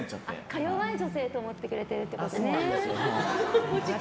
か弱い女性と思ってくれてるってことね！